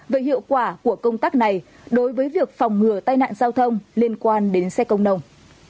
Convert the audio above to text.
về hiệu quả của công tác này đối với việc phòng ngừa tai nạn giao thông liên quan đến xe công nồng